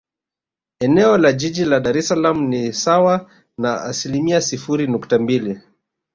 Eneo la Jiji la Dar es Salaam ni sawa na asilimia sifuri nukta mbili